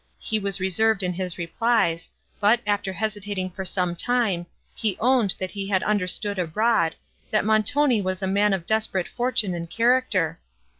He was reserved in his replies, but, after hesitating for some time, he owned, that he had understood abroad, that Montoni was a man of desperate fortune and character.